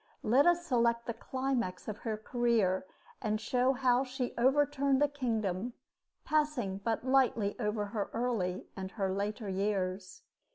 Let us select the climax of her career and show how she overturned a kingdom, passing but lightly over her early and her later years.